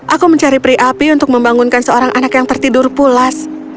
aku mencari peri api untuk membangunkan seorang anak yang tertidur pulas